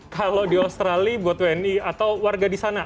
kalau di australia buat wni atau warga di sana